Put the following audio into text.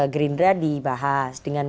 gerindra dibahas dengan